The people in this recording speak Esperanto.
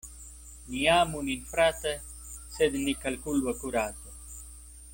Ni amu nin frate, sed ni kalkulu akurate.